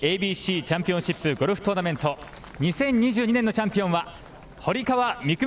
ＡＢＣチャンピオンシップゴルフトーナメント、２０２２年のチャンピオンは堀川未来